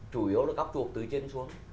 chủ yếu là góc trục từ trên xuống